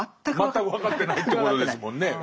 全く分かってないってことですもんね。